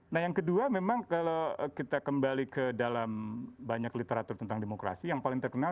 nah yang kedua memang kalau kita kembali ke dalam banyak literatur tentang demokrasi yang paling terkenal